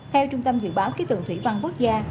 theo trung tâm dự báo kế tưởng thủy văn quốc gia